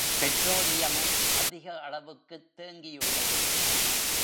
பெட்ரோலியமும் அதிக அளவுக்குத் தேங்கியுள்ளது.